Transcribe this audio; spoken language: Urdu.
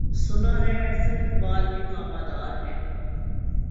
سناہے احسن اقبال بھی اقامہ دارہیں۔